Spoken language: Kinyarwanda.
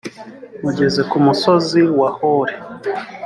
mugeze ku musozi wa hori.